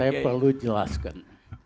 saya mau jelaskan